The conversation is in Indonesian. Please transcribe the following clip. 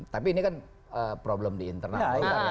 tapi ini kan problem di internal golkar